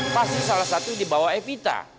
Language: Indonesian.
pasti salah satu di bawah evita